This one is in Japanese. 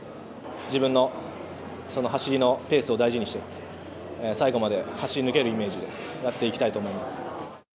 自分のその走りのペースを大事にして、最後まで走り抜けるイメージで、やっていきたいと思います。